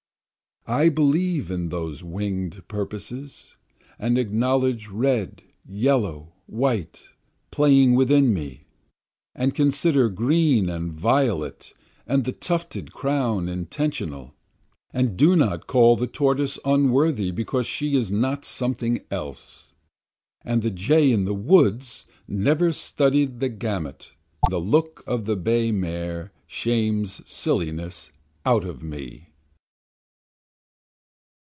I believe in those wing'd purposes, And acknowledge red, yellow, white, playing within me, And consider green and violet and the tufted crown intentional, And do not call the tortoise unworthy because she is not something else, And the jay in the woods never studied the gamut, yet trills pretty well to me, And the look of the bay mare shames silliness out of me.